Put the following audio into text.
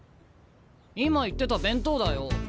今言ってた弁当だよ。